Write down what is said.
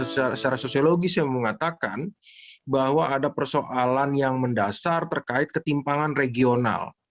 secara sosiologis yang mengatakan bahwa ada persoalan yang mendasar terkait ketimpangan regional